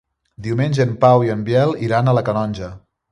Diumenge en Pau i en Biel iran a la Canonja.